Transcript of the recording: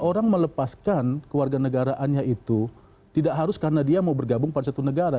orang melepaskan kewarganegaraannya itu tidak harus karena dia mau bergabung pada satu negara